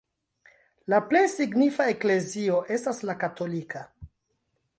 La plej signifa eklezio estas la katolika.